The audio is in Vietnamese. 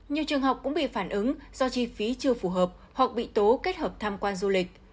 nhiều trường học cũng bị phản ứng do chi phí chưa phù hợp hoặc bị tố kết hợp tham quan du lịch